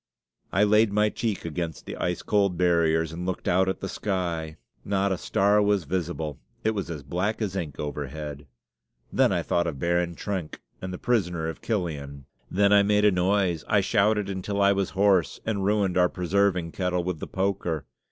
I laid my cheek against the ice cold barriers and looked out at the sky; not a star was visible; it was as black as ink overhead. Then I thought of Baron Trenck and the prisoner of Chillon. Then I made a noise. I shouted until I was hoarse, and ruined our preserving kettle with the poker.